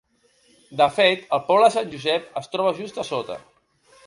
De fet, el poble de Sant Josep es troba just a sota.